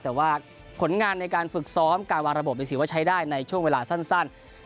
แต่ว่าผลงานในการฝึกซ้อมการวางระบบถือว่าใช้ได้ในช่วงเวลาสั้น